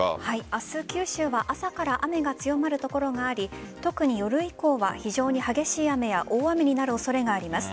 明日九州は朝から雨が強まる所があり特に夜以降は非常に激しい雨や大雨になる恐れがあります。